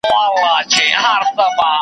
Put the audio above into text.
کوډي منتر سوځوم .